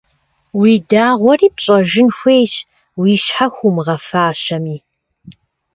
Уи дагъуэри пщӀэжын хуейщ, уи щхьэ хуумыгъэфащэми.